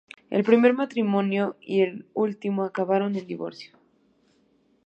El primer matrimonio y el último acabaron en divorcio.